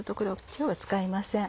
今日は使いません。